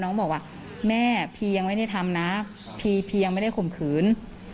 บอกว่าแม่พียังไม่ได้ทำนะพีพียังไม่ได้ข่มขืน